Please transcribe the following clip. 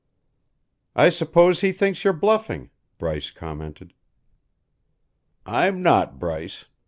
"I suppose he thinks you're bluffing," Bryce commented. "I'm not, Bryce.